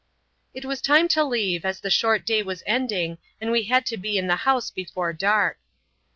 It was time to leave as the short day was ending and we had to be in the house before dark.